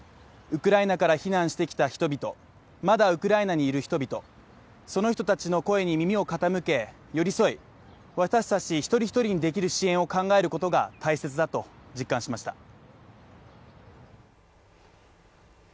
ウクライナから避難してきた人々、まだウクライナにいる人々、その人たちの声に耳を傾け、寄り添い私たち一人一人にできる支援を考えることが大切だと実感しました。